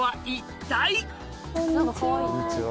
こんにちは。